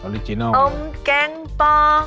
กางฝักหวานป่า